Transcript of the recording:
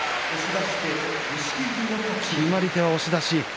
決まり手は押し出し。